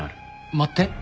待って。